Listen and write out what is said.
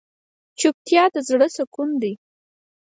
چوپتیا، د زړه سکون دی.